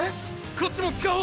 こっちも使おう！